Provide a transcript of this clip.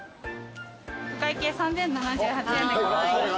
お会計３，０７８円でございます。